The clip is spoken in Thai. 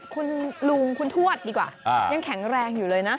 คุณลุงคุณทวดดีกว่ายังแข็งแรงอยู่เลยนะ